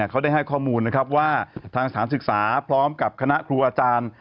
เขาได้ให้ข้อมูลนะครับว่าทางสถานศึกษาพร้อมกับคณะครูอาจารย์